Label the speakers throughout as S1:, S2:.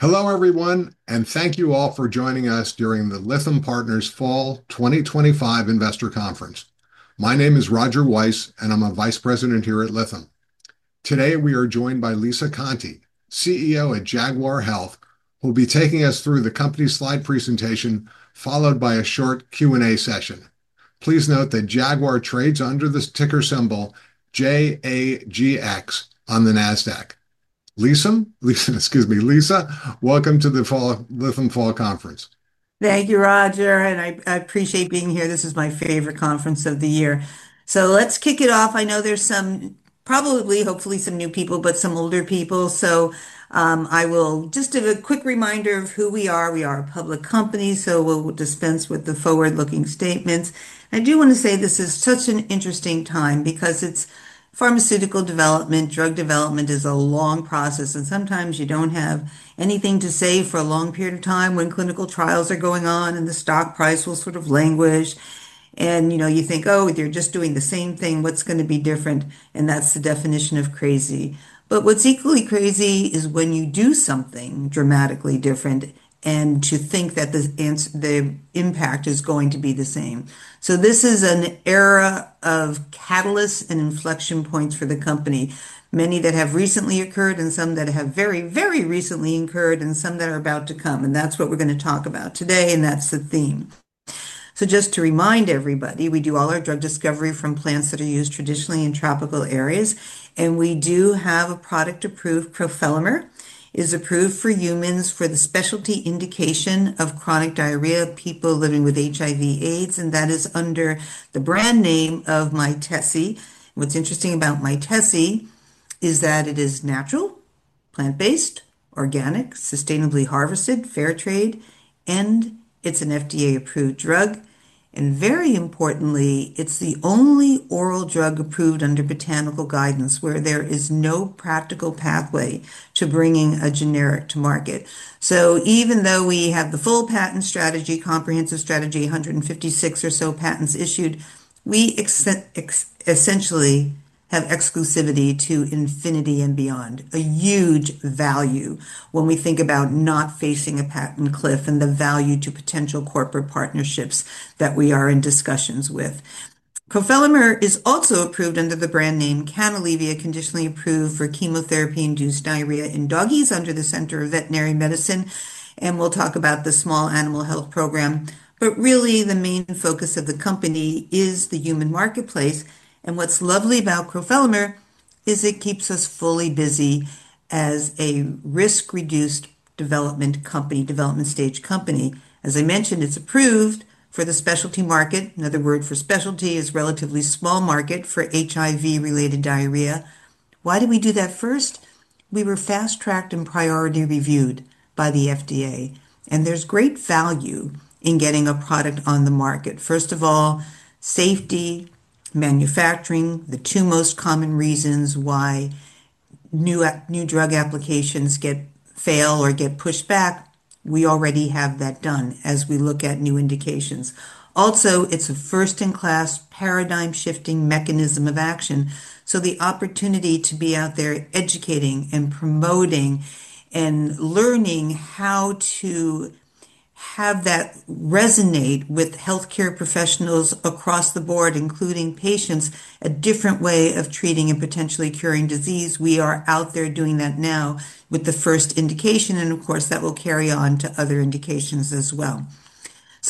S1: Hello everyone, and thank you all for joining us during the Lytham Partners Fall 2025 Investor Conference. My name is Roger Weiss, and I'm a Vice President here at Lytham. Today, we are joined by Lisa Conte, CEO at Jaguar Health, who will be taking us through the company slide presentation, followed by a short Q&A session. Please note that Jaguar trades under the ticker symbol JAGX on the NASDAQ. Lisa, welcome to the Lytham Fall Conference.
S2: Thank you, Roger, and I appreciate being here. This is my favorite conference of the year. Let's kick it off. I know there's some, probably, hopefully, some new people, but some older people. I will just give a quick reminder of who we are. We are a public company, so we'll dispense with the forward-looking statements. I do want to say this is such an interesting time because pharmaceutical development, drug development is a long process, and sometimes you don't have anything to say for a long period of time when clinical trials are going on and the stock price will sort of languish. You know, you think, oh, they're just doing the same thing. What's going to be different? That's the definition of crazy. What's equally crazy is when you do something dramatically different and you think that the answer, the impact is going to be the same. This is an era of catalysts and inflection points for the company, many that have recently occurred and some that have very, very recently occurred and some that are about to come. That's what we're going to talk about today, and that's the theme. Just to remind everybody, we do all our drug discovery from plants that are used traditionally in tropical areas, and we do have a product approved. Crofelemer is approved for humans for the specialty indication of chronic diarrhea, people living with HIV/AIDS, and that is under the brand name of Mytesi. What's interesting about Mytesi is that it is natural, plant-based, organic, sustainably harvested, fair trade, and it's an FDA-approved drug. Very importantly, it's the only oral drug approved under botanical guidance, where there is no practical pathway to bringing a generic to market. Even though we have the full patent strategy, comprehensive strategy, 156 or so patents issued, we essentially have exclusivity to infinity and beyond, a huge value when we think about not facing a patent cliff and the value to potential corporate partnerships that we are in discussions with. Crofelemer is also approved under the brand name Canalevia CA1, conditionally approved for chemotherapy-induced diarrhea in dogs under the Center for Veterinary Medicine. We'll talk about the small animal health program. Really, the main focus of the company is the human marketplace. What's lovely about crofelemer is it keeps us fully busy as a risk-reduced development company, development stage company. As I mentioned, it's approved for the specialty market. Another word for specialty is relatively small market for HIV-related diarrhea. Why do we do that? First, we were fast-tracked and priority reviewed by the FDA. There's great value in getting a product on the market. First of all, safety, manufacturing, the two most common reasons why new drug applications fail or get pushed back. We already have that done as we look at new indications. Also, it's a first-in-class, paradigm-shifting mechanism of action. The opportunity to be out there educating and promoting and learning how to have that resonate with healthcare professionals across the board, including patients, a different way of treating and potentially curing disease. We are out there doing that now with the first indication, and of course, that will carry on to other indications as well.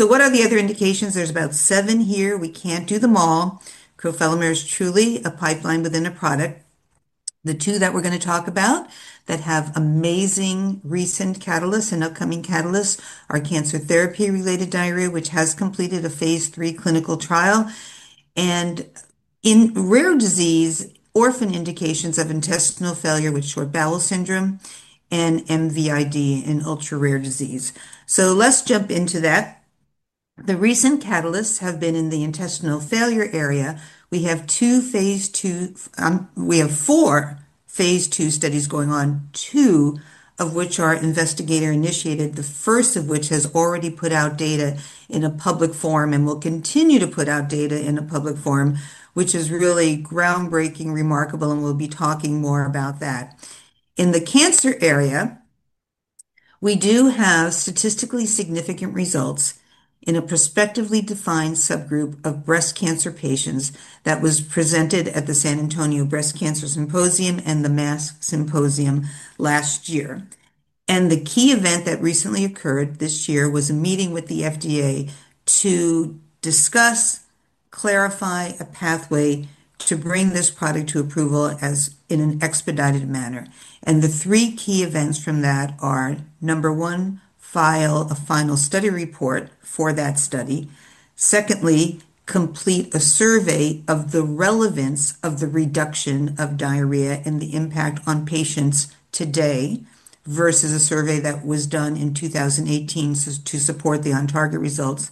S2: What are the other indications? There's about seven here. We can't do them all. Crofelemer is truly a pipeline within a product. The two that we're going to talk about that have amazing recent catalysts and upcoming catalysts are cancer therapy-related diarrhea, which has completed a phase 3 clinical trial, and in rare disease, orphan indications of intestinal failure with short bowel syndrome, and MVID, an ultra-rare disease. Let's jump into that. The recent catalysts have been in the intestinal failure area. We have four phase 2 studies going on, two of which are investigator-initiated, the first of which has already put out data in a public forum and will continue to put out data in a public forum, which is really groundbreaking, remarkable, and we'll be talking more about that. In the cancer area, we do have statistically significant results in a prospectively defined subgroup of breast cancer patients that was presented at the San Antonio Breast Cancer Symposium and the MASCC Symposium last year. The key event that recently occurred this year was a meeting with the FDA to discuss, clarify a pathway to bring this product to approval in an expedited manner. The three key events from that are, number one, file a final study report for that study. Secondly, complete a survey of the relevance of the reduction of diarrhea and the impact on patients today versus a survey that was done in 2018 to support the on-target results.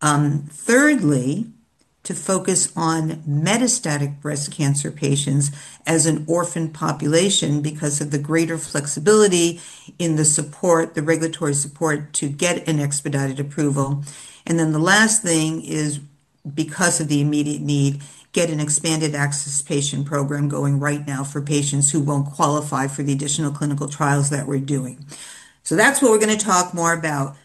S2: Thirdly, focus on metastatic breast cancer patients as an orphan population because of the greater flexibility in the support, the regulatory support to get an expedited approval. The last thing is, because of the immediate need, get an expanded access patient program going right now for patients who won't qualify for the additional clinical trials that we're doing. That's what we're going to talk more about.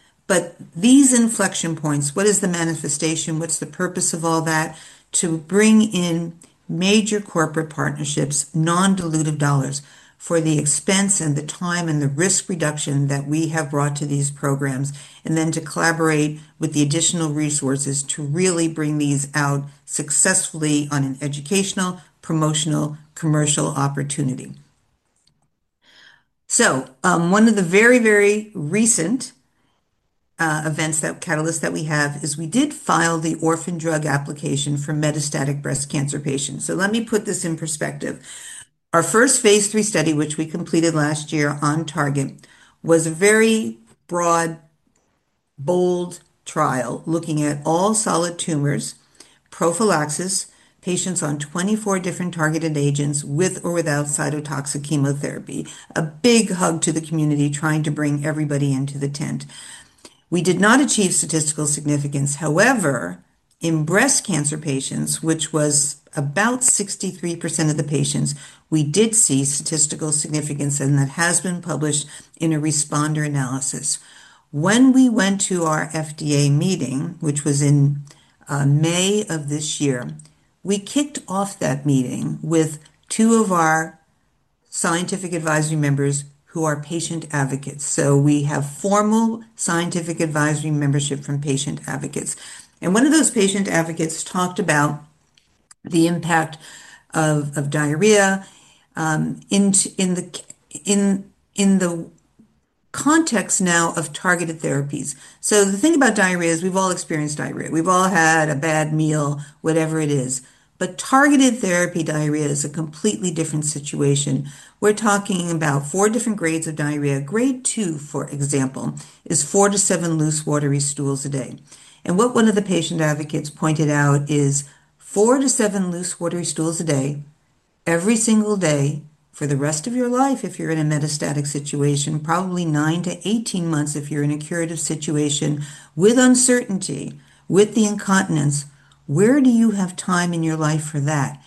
S2: These inflection points, what is the manifestation? What's the purpose of all that? To bring in major corporate partnerships, non-dilutive dollars for the expense and the time and the risk reduction that we have brought to these programs, and then to collaborate with the additional resources to really bring these out successfully on an educational, promotional, commercial opportunity. One of the very, very recent events, the catalysts that we have, is we did file the orphan drug application for metastatic breast cancer patients. Let me put this in perspective. Our first phase 3 study, which we completed last year on target, was a very broad, bold trial looking at all solid tumors, prophylaxis, patients on 24 different targeted agents with or without cytotoxic chemotherapy. A big hug to the community trying to bring everybody into the tent. We did not achieve statistical significance. However, in breast cancer patients, which was about 63% of the patients, we did see statistical significance, and that has been published in a responder analysis. When we went to our FDA meeting, which was in May of this year, we kicked off that meeting with two of our scientific advisory members who are patient advocates. We have formal scientific advisory membership from patient advocates. One of those patient advocates talked about the impact of diarrhea in the context now of targeted therapies. The thing about diarrhea is we've all experienced diarrhea. We've all had a bad meal, whatever it is. Targeted therapy diarrhea is a completely different situation. We're talking about four different grades of diarrhea. Grade 2, for example, is four to seven loose, watery stools a day. What one of the patient advocates pointed out is four to seven loose, watery stools a day, every single day for the rest of your life if you're in a metastatic situation, probably nine to 18 months if you're in a curative situation with uncertainty, with the incontinence. Where do you have time in your life for that?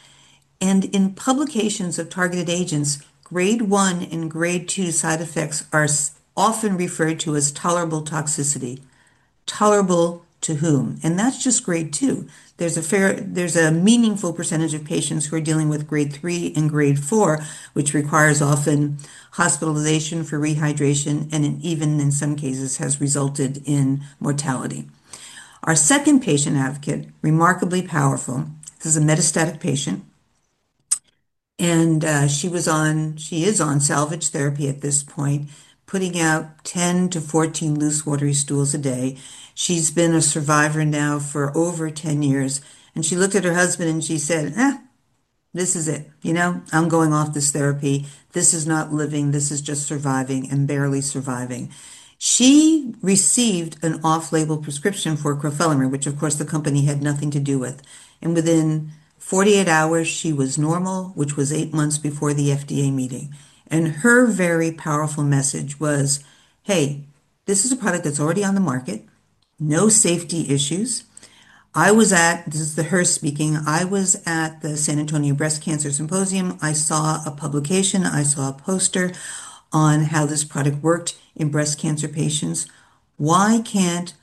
S2: In publications of targeted agents, grade 1 and grade 2 side effects are often referred to as tolerable toxicity. Tolerable to whom? That's just grade 2. There's a meaningful percentage of patients who are dealing with grade three and grade four, which requires often hospitalization for rehydration, and even in some cases has resulted in mortality. Our second patient advocate, remarkably powerful, this is a metastatic patient, and she is on salvage therapy at this point, putting out 10 to 14 loose, watery stools a day. She's been a survivor now for over 10 years. She looked at her husband and she said, this is it. You know, I'm going off this therapy. This is not living. This is just surviving and barely surviving. She received an off-label prescription for crofelemer, which of course the company had nothing to do with. Within 48 hours, she was normal, which was eight months before the FDA meeting. Her very powerful message was, "Hey, this is a product that's already on the market. No safety issues." This is her speaking, "I was at the San Antonio Breast Cancer Symposium. I saw a publication. I saw a poster on how this product worked in breast cancer patients. Why can't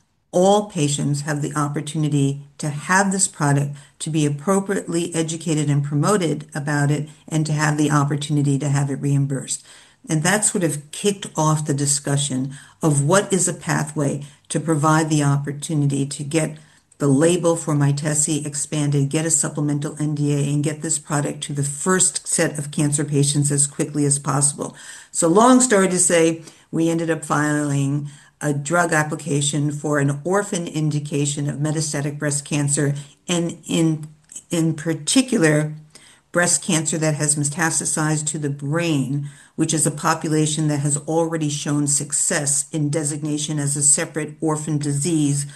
S2: all patients have the opportunity to have this product, to be appropriately educated and promoted about it, and to have the opportunity to have it reimbursed?" That sort of kicked off the discussion of what is a pathway to provide the opportunity to get the label for Mytesi expanded, get a supplemental NDA, and get this product to the first set of cancer patients as quickly as possible. Long story to say, we ended up filing a drug application for an orphan indication of metastatic breast cancer, and in particular, breast cancer that has metastasized to the brain, which is a population that has already shown success in designation as a separate orphan disease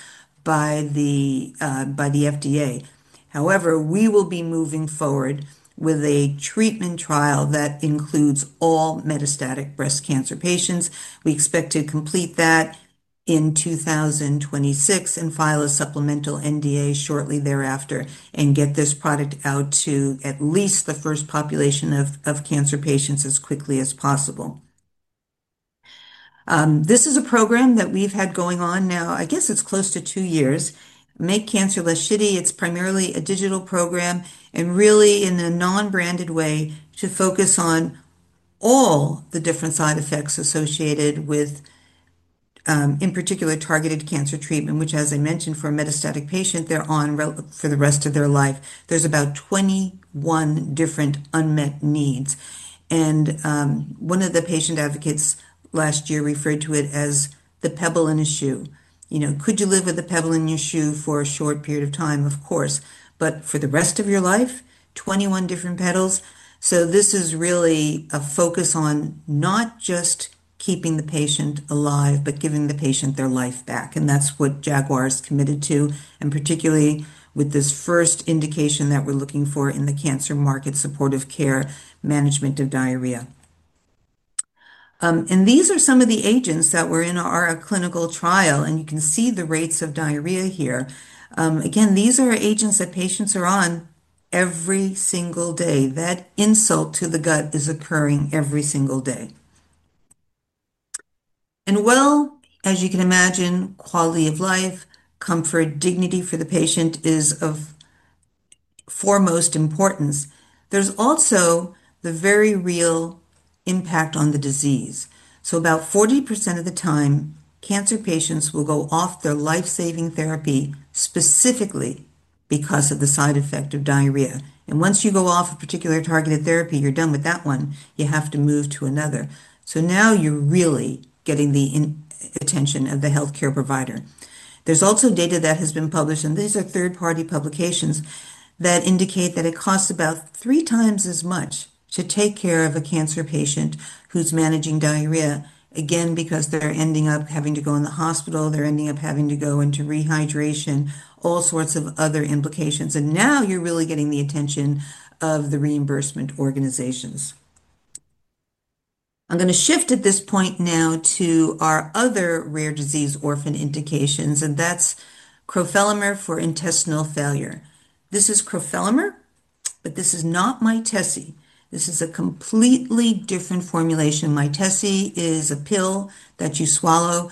S2: by the FDA. However, we will be moving forward with a treatment trial that includes all metastatic breast cancer patients. We expect to complete that in 2026 and file a supplemental NDA shortly thereafter and get this product out to at least the first population of cancer patients as quickly as possible. This is a program that we've had going on now, I guess it's close to two years, Make Cancer Less Shitty. It's primarily a digital program and really in a non-branded way to focus on all the different side effects associated with, in particular, targeted cancer treatment, which, as I mentioned, for a metastatic patient, they're on for the rest of their life. There's about 21 different unmet needs. One of the patient advocates last year referred to it as the pebble in a shoe. You know, could you live with the pebble in your shoe for a short period of time? Of course. For the rest of your life, 21 different pebbles. This is really a focus on not just keeping the patient alive, but giving the patient their life back. That's what Jaguar Health is committed to, particularly with this first indication that we're looking for in the cancer market, supportive care, management of diarrhea. These are some of the agents that were in our clinical trial, and you can see the rates of diarrhea here. These are agents that patients are on every single day. That insult to the gut is occurring every single day. As you can imagine, quality of life, comfort, dignity for the patient is of foremost importance. There's also the very real impact on the disease. About 40% of the time, cancer patients will go off their life-saving therapy specifically because of the side effect of diarrhea. Once you go off a particular targeted therapy, you're done with that one. You have to move to another. Now you're really getting the attention of the healthcare provider. There's also data that has been published, and these are third-party publications, that indicate that it costs about three times as much to take care of a cancer patient who's managing diarrhea, because they're ending up having to go in the hospital, they're ending up having to go into rehydration, all sorts of other implications. Now you're really getting the attention of the reimbursement organizations. I'm going to shift at this point to our other rare disease orphan indications, and that's crofelemer for intestinal failure. This is crofelemer, but this is not Mytesi. This is a completely different formulation. Mytesi is a pill that you swallow.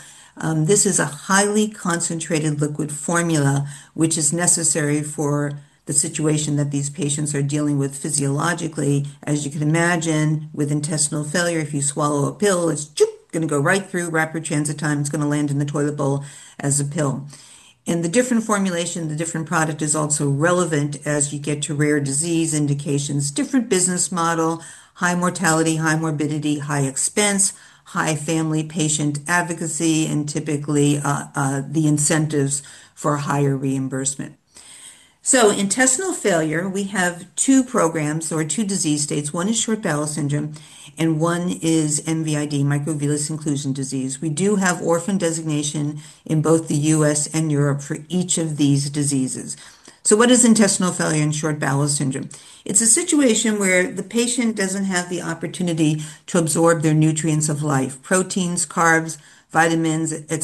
S2: This is a highly concentrated liquid formula, which is necessary for the situation that these patients are dealing with physiologically. As you can imagine, with intestinal failure, if you swallow a pill, it's going to go right through rapid transit time. It's going to land in the toilet bowl as a pill. The different formulation, the different product is also relevant as you get to rare disease indications, different business model, high mortality, high morbidity, high expense, high family patient advocacy, and typically, the incentives for higher reimbursement. Intestinal failure, we have two programs or two disease states. One is short bowel syndrome, and one is MVID, microvillous inclusion disease. We do have orphan designation in both the U.S. and Europe for each of these diseases. What is intestinal failure and short bowel syndrome? It's a situation where the patient doesn't have the opportunity to absorb their nutrients of life, proteins, carbs, vitamins, et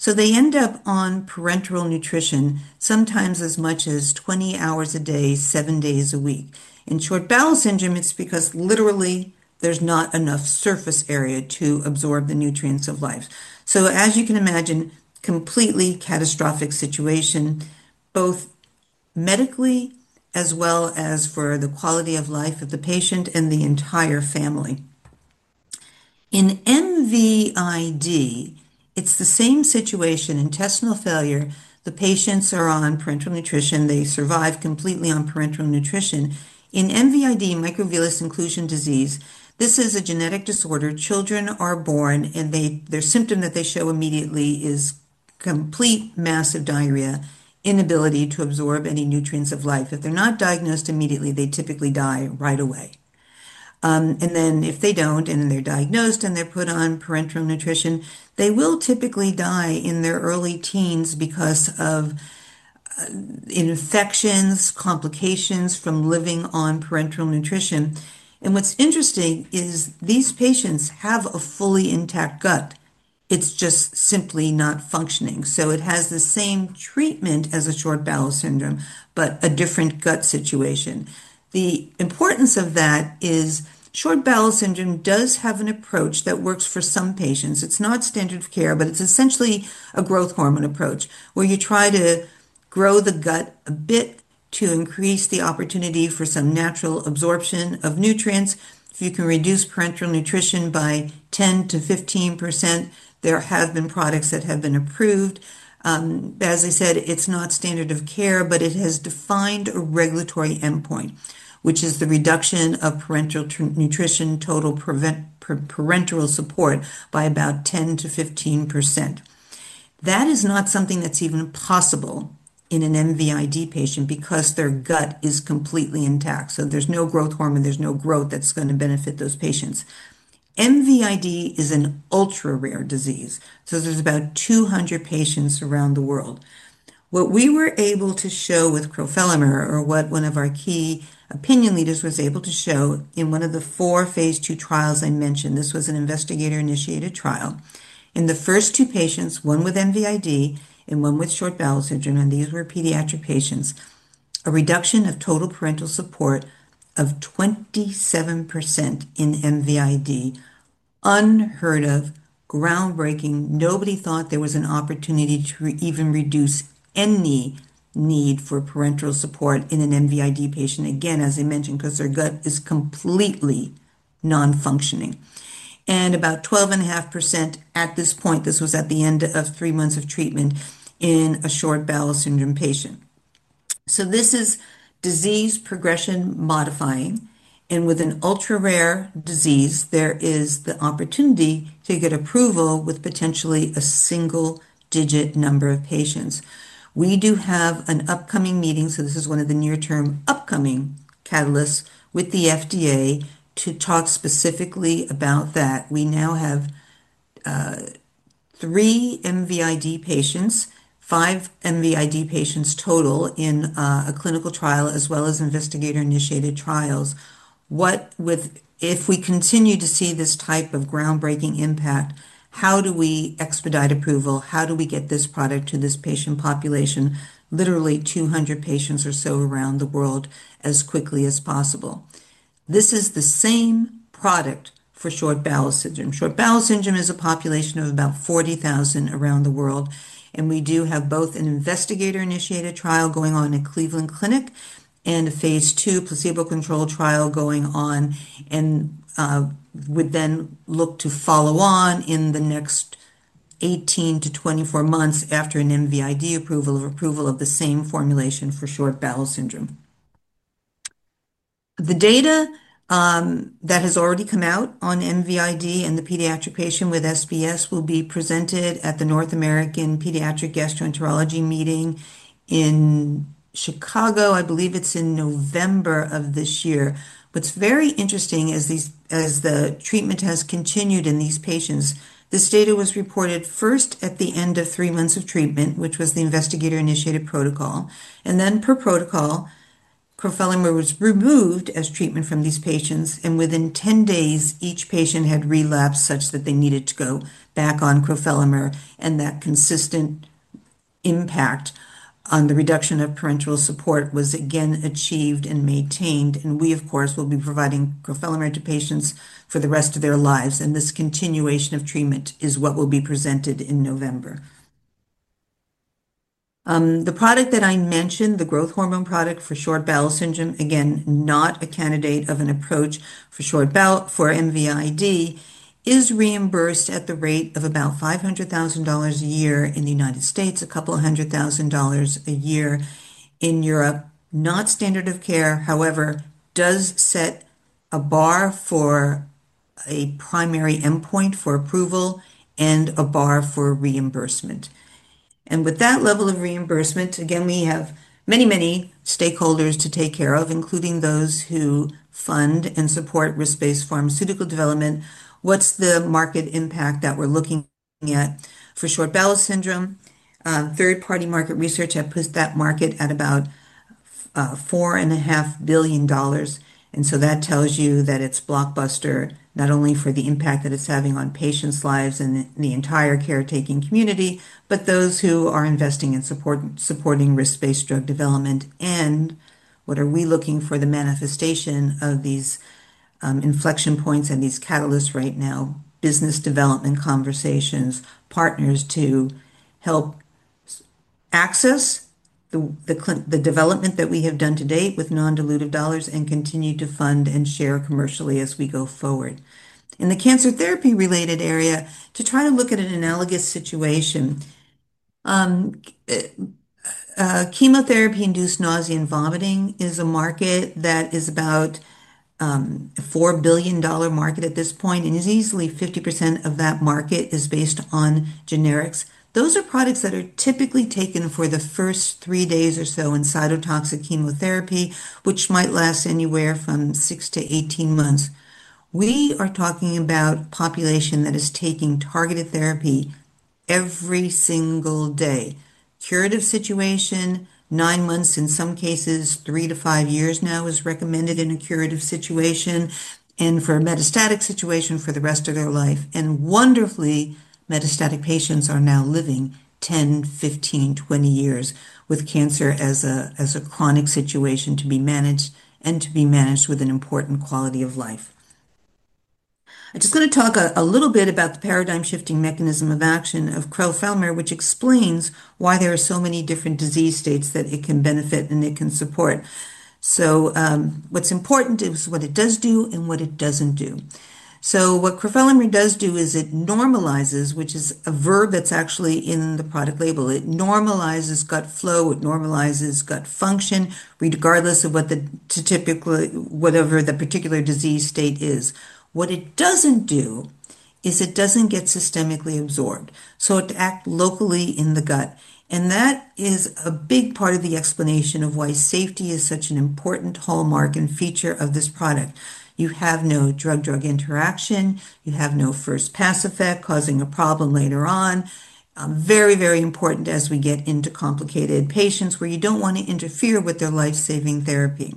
S2: cetera. They end up on parenteral nutrition, sometimes as much as 20 hours a day, seven days a week. In short bowel syndrome, it's because literally there's not enough surface area to absorb the nutrients of life. As you can imagine, a completely catastrophic situation, both medically as well as for the quality of life of the patient and the entire family. In MVID, it's the same situation, intestinal failure. The patients are on parenteral nutrition. They survive completely on parenteral nutrition. In MVID, microvillous inclusion disease, this is a genetic disorder. Children are born, and their symptom that they show immediately is complete massive diarrhea, inability to absorb any nutrients of life. If they're not diagnosed immediately, they typically die right away. If they don't, and they're diagnosed, and they're put on parenteral nutrition, they will typically die in their early teens because of infections, complications from living on parenteral nutrition. What's interesting is these patients have a fully intact gut. It's just simply not functioning. It has the same treatment as short bowel syndrome, but a different gut situation. The importance of that is short bowel syndrome does have an approach that works for some patients. It's not standard of care, but it's essentially a growth hormone approach where you try to grow the gut a bit to increase the opportunity for some natural absorption of nutrients. You can reduce parenteral nutrition by 10% to 15%. There have been products that have been approved. As I said, it's not standard of care, but it has defined a regulatory endpoint, which is the reduction of parenteral nutrition, total parenteral support, by about 10% to 15%. That is not something that's even possible in an MVID patient because their gut is completely intact. There's no growth hormone. There's no growth that's going to benefit those patients. MVID is an ultra-rare disease. There's about 200 patients around the world. What we were able to show with crofelemer, or what one of our key opinion leaders was able to show in one of the four phase 2 trials I mentioned, this was an investigator-initiated trial. In the first two patients, one with microvillous inclusion disease (MVID) and one with short bowel syndrome, and these were pediatric patients, a reduction of total parenteral support of 27% in MVID. Unheard of, groundbreaking. Nobody thought there was an opportunity to even reduce any need for parenteral support in an MVID patient. Again, as I mentioned, because their gut is completely non-functioning. About 12.5% at this point, this was at the end of three months of treatment in a short bowel syndrome patient. This is disease progression modifying, and with an ultra-rare disease, there is the opportunity to get approval with potentially a single-digit number of patients. We do have an upcoming meeting, this is one of the near-term upcoming catalysts with the FDA to talk specifically about that. We now have three MVID patients, five MVID patients total in a clinical trial as well as investigator-initiated trials. If we continue to see this type of groundbreaking impact, how do we expedite approval? How do we get this product to this patient population, literally 200 patients or so around the world as quickly as possible? This is the same product for short bowel syndrome. Short bowel syndrome is a population of about 40,000 around the world, and we do have both an investigator-initiated trial going on at Cleveland Clinic and a phase 2 placebo-controlled trial going on and would then look to follow on in the next 18 to 24 months after an MVID approval or approval of the same formulation for short bowel syndrome. The data that has already come out on MVID and the pediatric patient with short bowel syndrome will be presented at the North American Pediatric Gastroenterology Meeting in Chicago. I believe it's in November of this year. What's very interesting is the treatment has continued in these patients. This data was reported first at the end of three months of treatment, which was the investigator-initiated protocol. Per protocol, crofelemer was removed as treatment from these patients, and within 10 days, each patient had relapsed such that they needed to go back on crofelemer. That consistent impact on the reduction of parenteral support was again achieved and maintained. We, of course, will be providing crofelemer to patients for the rest of their lives. This continuation of treatment is what will be presented in November. The product that I mentioned, the growth hormone product for short bowel syndrome, again, not a candidate of an approach for short bowel for MVID, is reimbursed at the rate of about $500,000 a year in the U.S., a couple of hundred thousand dollars a year in Europe. It is not standard of care. However, it does set a bar for a primary endpoint for approval and a bar for reimbursement. With that level of reimbursement, we have many, many stakeholders to take care of, including those who fund and support risk-based pharmaceutical development. What is the market impact that we're looking at for short bowel syndrome? Third-party market research have pushed that market at about $4.5 billion. That tells you that it's blockbuster, not only for the impact that it's having on patients' lives and the entire caretaking community, but those who are investing in supporting risk-based drug development. What are we looking for? The manifestation of these inflection points and these catalysts right now, business development conversations, partners to help access the development that we have done to date with non-dilutive dollars and continue to fund and share commercially as we go forward. In the cancer therapy-related area, to try to look at an analogous situation, chemotherapy-induced nausea and vomiting is a market that is about a $4 billion market at this point, and easily 50% of that market is based on generics. Those are products that are typically taken for the first three days or so in cytotoxic chemotherapy, which might last anywhere from 6 to 18 months. We are talking about a population that is taking targeted therapy every single day. Curative situation, nine months, in some cases, three to five years now is recommended in a curative situation, and for a metastatic situation for the rest of their life. Wonderfully, metastatic patients are now living 10, 15, 20 years with cancer as a chronic situation to be managed and to be managed with an important quality of life. I just want to talk a little bit about the paradigm-shifting mechanism of action of crofelemer, which explains why there are so many different disease states that it can benefit and it can support. What's important is what it does do and what it doesn't do. What crofelemer does do is it normalizes, which is a verb that's actually in the product label. It normalizes gut flow. It normalizes gut function, regardless of what the particular disease state is. What it doesn't do is it doesn't get systemically absorbed. It acts locally in the gut, and that is a big part of the explanation of why safety is such an important hallmark and feature of this product. You have no drug-drug interaction. You have no first pass effect causing a problem later on. Very, very important as we get into complicated patients where you don't want to interfere with their life-saving therapy.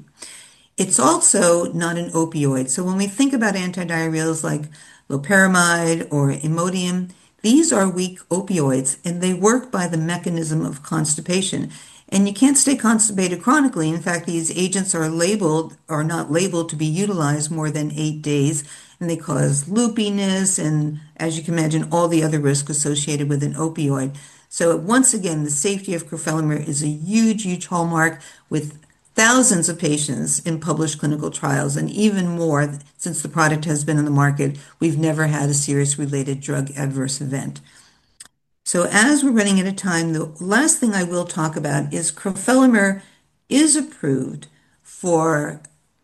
S2: It's also not an opioid. When we think about antidiarrheals like loperamide or Imodium, these are weak opioids, and they work by the mechanism of constipation. You can't stay constipated chronically. In fact, these agents are labeled or not labeled to be utilized more than eight days, and they cause loopiness and, as you can imagine, all the other risks associated with an opioid. Once again, the safety of crofelemer is a huge, huge hallmark with thousands of patients in published clinical trials, and even more since the product has been in the market. We've never had a serious related drug adverse event. As we're running out of time, the last thing I will talk about is crofelemer is approved for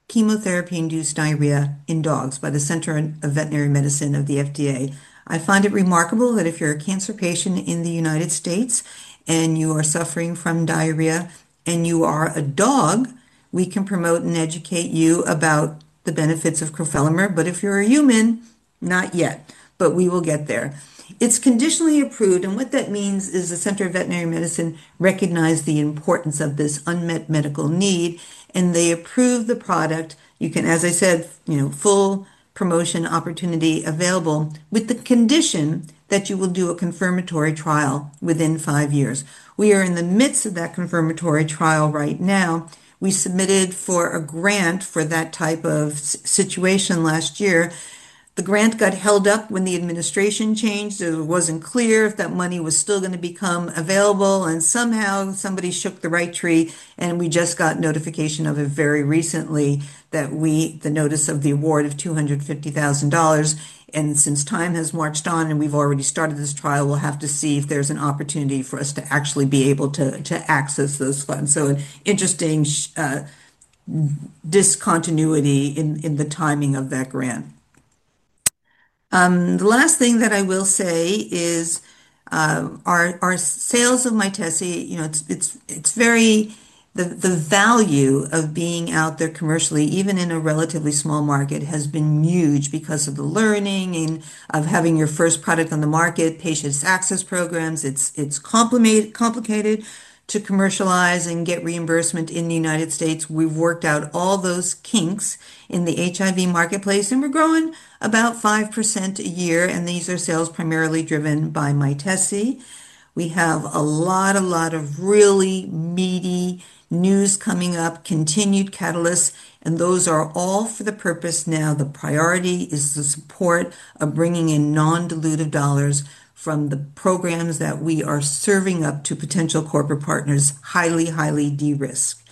S2: chemotherapy-induced diarrhea in dogs by the Center for Veterinary Medicine of the FDA. I find it remarkable that if you're a cancer patient in the U.S. and you are suffering from diarrhea and you are a dog, we can promote and educate you about the benefits of crofelemer. If you're a human, not yet, but we will get there. It's conditionally approved, and what that means is the Center for Veterinary Medicine recognized the importance of this unmet medical need, and they approved the product. You can, as I said, full promotion opportunity available with the condition that you will do a confirmatory trial within five years. We are in the midst of that confirmatory trial right now. We submitted for a grant for that type of situation last year. The grant got held up when the administration changed. It wasn't clear if that money was still going to become available, and somehow somebody shook the right tree, and we just got notification of it very recently, the notice of the award of $250,000. Since time has marched on and we've already started this trial, we'll have to see if there's an opportunity for us to actually be able to access those funds. An interesting discontinuity in the timing of that grant. The last thing that I will say is our sales of Mytesi, the value of being out there commercially, even in a relatively small market, has been huge because of the learning of having your first product on the market, patient access programs. It's complicated to commercialize and get reimbursement in the U.S. We worked out all those kinks in the HIV marketplace, and we're growing about 5% a year, and these are sales primarily driven by Mytesi. We have a lot, a lot of really meaty news coming up, continued catalysts, and those are all for the purpose now. The priority is the support of bringing in non-dilutive dollars from the programs that we are serving up to potential corporate partners, highly, highly de-risk.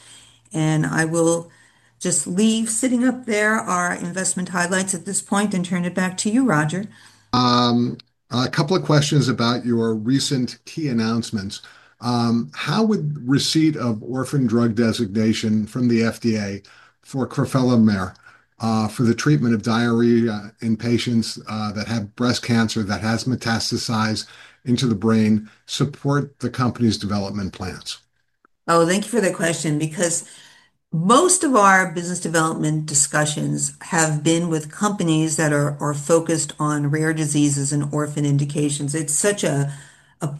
S2: I will just leave sitting up there our investment highlights at this point and turn it back to you, Roger.
S1: A couple of questions about your recent key announcements. How would receipt of orphan drug designation from the FDA for crofelemer for the treatment of diarrhea in patients that have breast cancer that has metastasized into the brain support the company's development plans?
S2: Oh, thank you for that question, because most of our business development discussions have been with companies that are focused on rare diseases and orphan indications. It's such a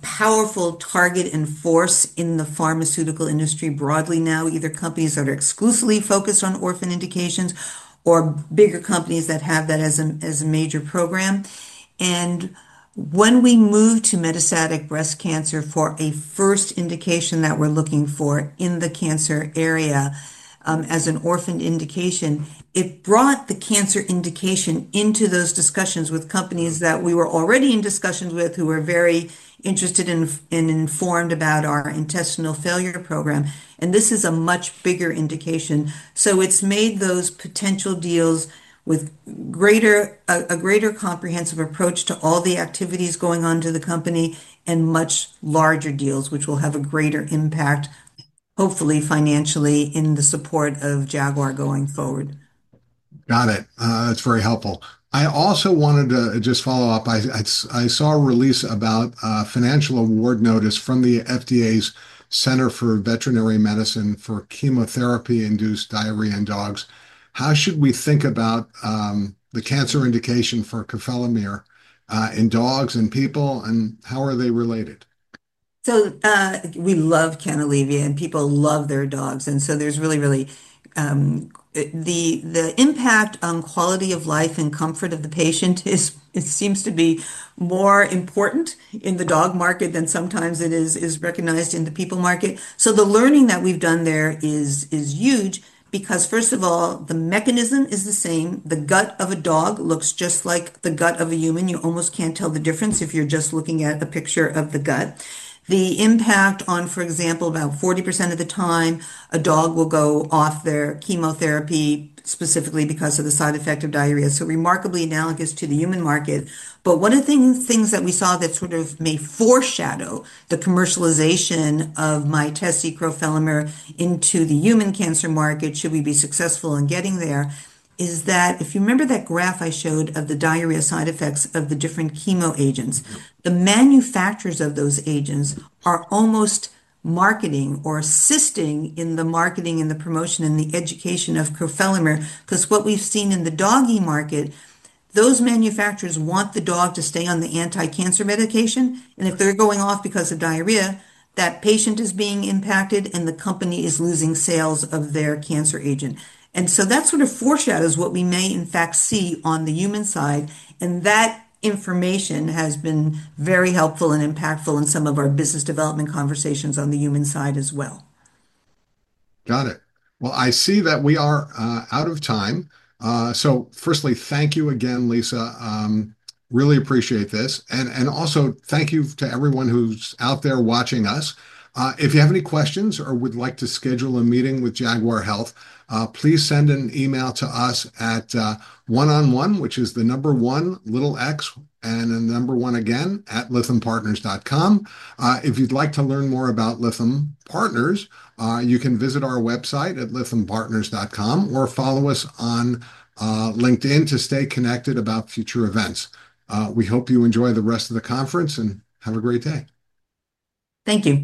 S2: powerful target and force in the pharmaceutical industry broadly now, either companies that are exclusively focused on orphan indications or bigger companies that have that as a major program. When we moved to metastatic breast cancer for a first indication that we're looking for in the cancer area as an orphan indication, it brought the cancer indication into those discussions with companies that we were already in discussions with who were very interested and informed about our intestinal failure program. This is a much bigger indication. It's made those potential deals with a greater comprehensive approach to all the activities going on to the company and much larger deals, which will have a greater impact, hopefully financially, in the support of Jaguar Health going forward.
S1: Got it. That's very helpful. I also wanted to just follow up. I saw a release about a financial award notice from the FDA's Center for Veterinary Medicine for chemotherapy-induced diarrhea in dogs. How should we think about the cancer indication for crofelemer in dogs and people, and how are they related?
S2: We love Canalevia CA1, and people love their dogs. There's really, really the impact on quality of life and comfort of the patient seems to be more important in the dog market than sometimes it is recognized in the people market. The learning that we've done there is huge because, first of all, the mechanism is the same. The gut of a dog looks just like the gut of a human. You almost can't tell the difference if you're just looking at a picture of the gut. The impact on, for example, about 40% of the time, a dog will go off their chemotherapy specifically because of the side effect of diarrhea. Remarkably analogous to the human market. One of the things that we saw that sort of may foreshadow the commercialization of Mytesi crofelemer into the human cancer market, should we be successful in getting there, is that if you remember that graph I showed of the diarrhea side effects of the different chemo agents, the manufacturers of those agents are almost marketing or assisting in the marketing and the promotion and the education of crofelemer. What we've seen in the doggy market, those manufacturers want the dog to stay on the anti-cancer medication. If they're going off because of diarrhea, that patient is being impacted, and the company is losing sales of their cancer agent. That sort of foreshadows what we may, in fact, see on the human side. That information has been very helpful and impactful in some of our business development conversations on the human side as well.
S1: Got it. I see that we are out of time. Firstly, thank you again, Lisa. Really appreciate this. Also, thank you to everyone who's out there watching us. If you have any questions or would like to schedule a meeting with Jaguar Health, please send an email to us at one-on-one, which is the number one, little X, and the number one again at lythampartners.com. If you'd like to learn more about Lytham Partners, you can visit our website at lythampartners.com or follow us on LinkedIn to stay connected about future events. We hope you enjoy the rest of the conference and have a great day.
S2: Thank you.